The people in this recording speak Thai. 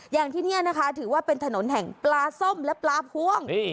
อย่างที่นี่นะคะถือว่าเป็นถนนแห่งปลาส้มและปลาพ่วง